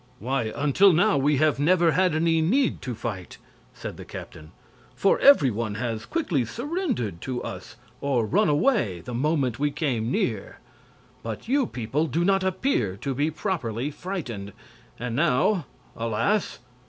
"Why, until now we have never had any need to fight," said the captain, "for every one has quickly surrendered to us or run away the moment we came near. But you people do not appear to be properly frightened, and now, alas!